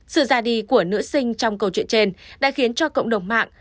sự ra đi của nữ sinh trong câu chuyện trên đã khiến cho cộng đồng mạng